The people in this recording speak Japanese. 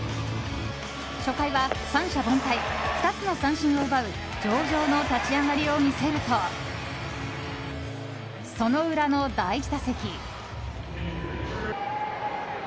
初回は三者凡退２つの三振を奪う上々の立ち上がりを見せるとその裏の第１打席。